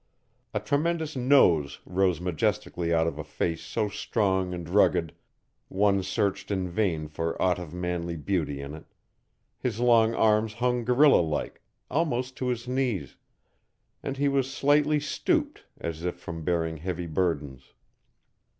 A tremendous nose rose majestically out of a face so strong and rugged one searched in vain for aught of manly beauty in it; his long arms hung gorilla like, almost to his knees, and he was slightly stooped, as if from bearing heavy burdens.